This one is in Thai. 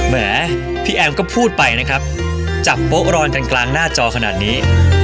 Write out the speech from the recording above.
แหมพี่แอมก็พูดไปนะครับจับโป๊ะรอนกันกลางหน้าจอขนาดนี้